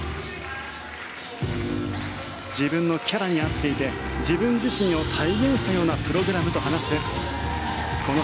自分のキャラに合っていて自分自身を体現したようなプログラムと話すこの「ＨａｐｐｙＪａｚｚ」。